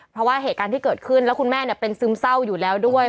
เพราะว่าเหตุการณ์ที่เกิดขึ้นแล้วคุณแม่เป็นซึมเศร้าอยู่แล้วด้วย